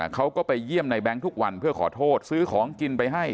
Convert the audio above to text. เขาก็ไปเยี่ยมในแง๊งทุกวันเพื่อขอโทษซื้อของกินไปให้